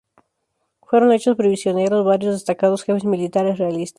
Fueron hechos prisioneros varios destacados jefes militares realistas.